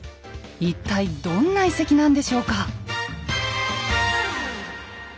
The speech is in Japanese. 一体どんな遺跡なんでしょうか？